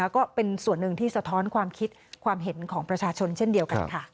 ก็เป็นส่วนหนึ่งที่สะท้อนความคิดความเห็นของประชาชนเช่นเดียวกันค่ะ